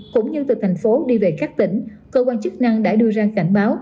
cũng như từ thành phố đi về các tỉnh cơ quan chức năng đã đưa ra cảnh báo